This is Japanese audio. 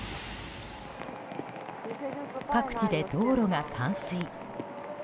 各地で道路が冠水。